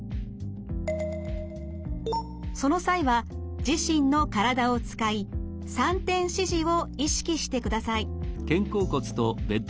その際は自身の体を使い３点支持を意識してください。